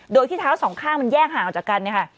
โดยที่เท้าสองข้างมันแยกห่างออกจากกัน